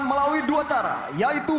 melalui dua cara yaitu